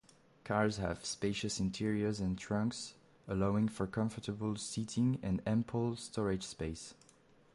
Cars have spacious interiors and trunks, allowing for comfortable seating and ample storage space.